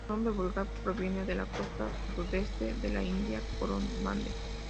Su nombre vulgar proviene de la costa sudeste de la India, Coromandel.